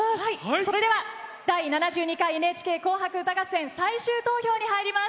それでは「第７２回ＮＨＫ紅白歌合戦」最終投票に入ります。